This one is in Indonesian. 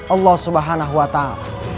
allah subhanahu wa ta'ala